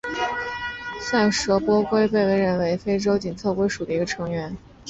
塞舌耳泥龟曾被认为是非洲侧颈龟属的一个成员。